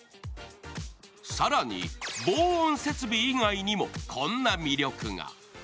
更に、防音設備意外にもこんな魅力が。